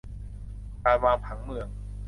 การวางผังเมือง